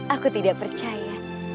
aku tidak percaya